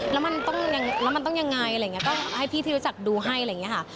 แล้วมันต้องแล้วมันต้องยังไงอะไรอย่างนี้ก็ให้พี่ที่รู้จักดูให้อะไรอย่างนี้ค่ะ